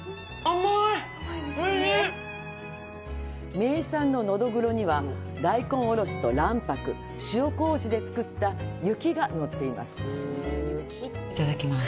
名産のノドグロには大根おろしと卵白、塩麹で作った「雪」がのっています。